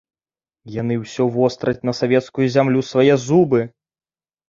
Яны ўсе востраць на савецкую зямлю свае зубы.